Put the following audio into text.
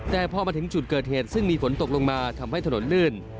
แต่พอมาถึงจุดเกิดเหตุซึ่งมีฝนตกลงมาทำให้ถนนลื่น